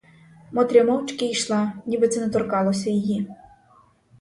Мотря мовчки ішла, ніби це не торкалося її.